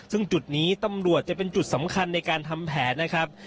ซึ่งจุดนี้ตำรวจจะเป็นจุดสำคัญในการทำแผนนะครับ